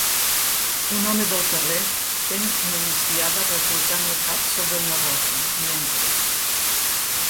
Un home del carrer fent una migdiada recolzant el cap sobre una roca. Mentre